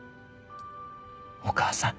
お母さん。